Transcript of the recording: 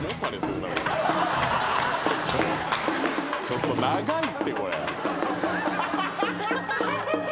「ちょっと長いってこれ」